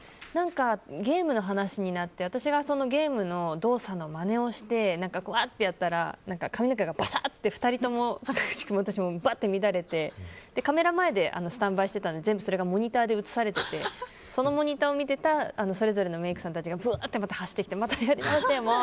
ゲームの話になって私がゲームの動作のまねをしたら髪の毛がバサッと２人ともバッて乱れてカメラ前でスタンバイしてたので全部それがモニターで映されててそのモニターを見てたそれぞれのメイクさんたちが走ってきてやり直してもう！